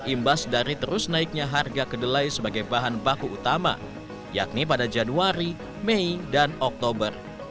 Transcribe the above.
imbas dari terus naiknya harga kedelai sebagai bahan baku utama yakni pada januari mei dan oktober